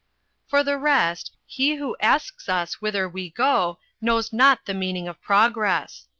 "For the rest, he who asks us whither we go knows not the meaning of Progress.